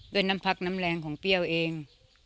น้ำพักน้ำแรงของเปรี้ยวเอง